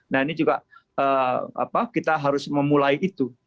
nah ini juga kita harus memulai itu